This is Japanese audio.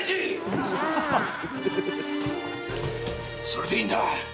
それでいいんだ！